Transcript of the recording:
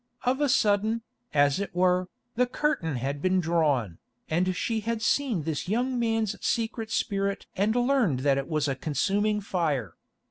Of a sudden, as it were, the curtain had been drawn, and she had seen this young man's secret spirit and learned that it was a consuming fire.